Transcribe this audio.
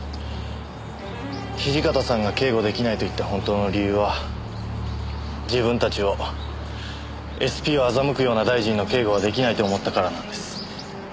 土方さんが警護できないと言った本当の理由は自分たちをＳＰを欺くような大臣の警護はできないと思ったからなんです。